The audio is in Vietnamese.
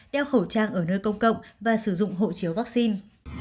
đeo khẩu trang ở nơi công cộng và sử dụng hộ chiếu vaccine